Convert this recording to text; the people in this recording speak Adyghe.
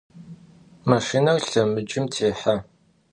Maşşiner lhemıcım têhe.